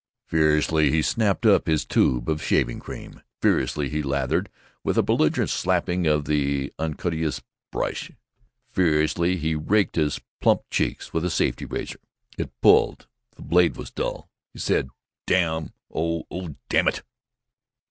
Furiously he snatched up his tube of shaving cream, furiously he lathered, with a belligerent slapping of the unctuous brush, furiously he raked his plump cheeks with a safety razor. It pulled. The blade was dull. He said, "Damn oh oh damn it!"